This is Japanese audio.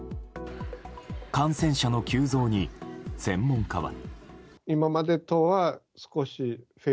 感染者の急増に、専門家は。